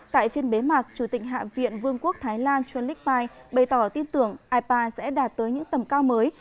tại phiên bế mạc chủ tịch hạ viện vương quốc thái lan chuan lich mai bày tỏ tin tưởng ipa sẽ đạt tới những tầm cao mới